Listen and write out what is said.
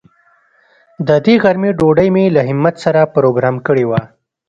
د دې غرمې ډوډۍ مې له همت سره پروگرام کړې وه.